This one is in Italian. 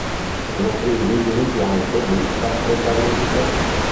Sono privi di impianto di raffreddamento.